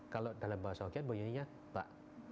kalau dalam bahasa hokian bunyinya bak